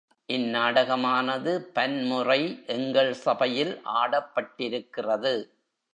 இந் நாடகமானது பன்முறை எங்கள் சபையில் ஆடப்பட்டிருக்கிறது.